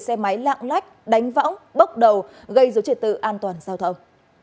xe máy lạng lách đánh võng bốc đầu gây dối trật tự an toàn giao thông